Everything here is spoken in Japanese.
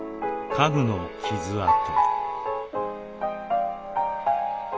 家具の傷痕。